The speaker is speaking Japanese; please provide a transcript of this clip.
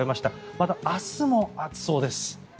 また明日も暑そうです。